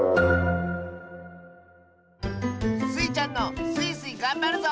スイちゃんの「スイスイ！がんばるぞ」